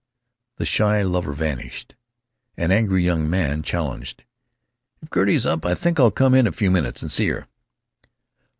The shy lover vanished. An angry young man challenged, "If Gertie 's up I think I'll come in a few minutes and see her."